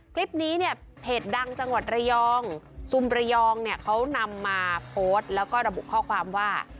คลิปนี้เนี่ยเพจดังจังหวัดระยองซุมระยองเนี่ยเขานำมาโพสต์แล้วก็ระบุข้อความว่า